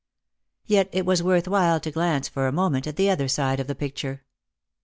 Yet it was worth while to glance for a moment at the other side of the picture.